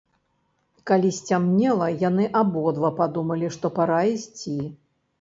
Калі сцямнела, яны абодва падумалі, што пара ісці.